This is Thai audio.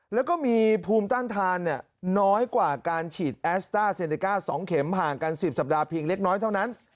แล้วก็มีภูมิต้านทานน้อยกว่าการฉีดแอสต้าเซเนก้า๒เข็มห่างกัน๑๐สัปดาห์เพียงเล็กน้อยเท่านั้น